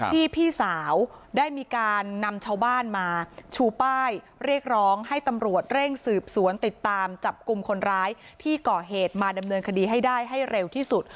พี่สาวได้มีการนำชาวบ้านมาชูป้ายเรียกร้องให้ตำรวจเร่งสืบสวนติดตามจับกลุ่มคนร้ายที่ก่อเหตุมาดำเนินคดีให้ได้ให้เร็วที่สุด